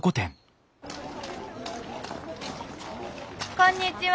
こんにちは。